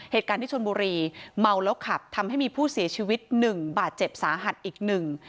เหตุการณ์ที่ชนบุรีเมาแล้วขับทำให้มีผู้เสียชีวิตหนึ่งบาดเจ็บสาหัสอีกหนึ่ง